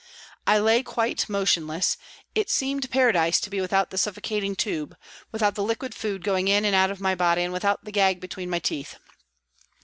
I lay quite motionless, it seemed paradise to be without the suffocating tube, without the liquid food going in and out of my body and without the gag between my teeth.